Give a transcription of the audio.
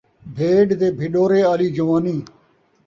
بھیݙ دے بھݙورے آلی جوانی